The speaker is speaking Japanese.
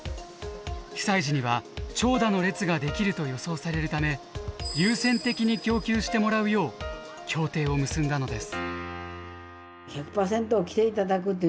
被災時には長蛇の列ができると予想されるため優先的に供給してもらうよう協定を結んだのです。